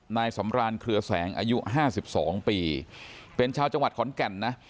นายสำรานเครือแสงอายุ๕๒ปีเป็นชาวจังหวัดขอนแก่นนะ